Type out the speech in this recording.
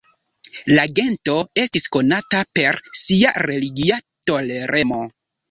La gento estis konata per sia religia toleremo.